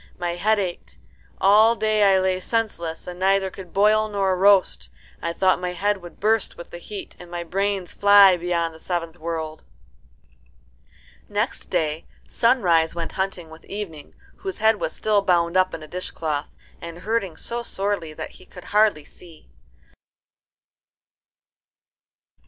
My head ached. All day I lay senseless, and could neither boil nor roast. I thought my head would burst with the heat, and my brains fly beyond the seventh world." Next day Sunrise went hunting with Evening, whose head was still bound up in a dishcloth, and hurting so sorely that he could hardly see.